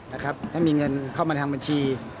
ให้มีเงินเข้ามาทางบัญชี